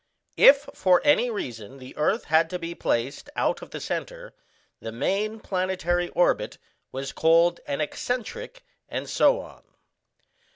If for any reason the earth had to be placed out of the centre, the main planetary orbit was called an Excentric, and so on.